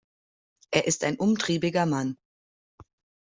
Er ist ein umtriebiger Mann.